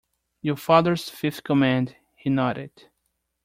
Your father's fifth command, he nodded.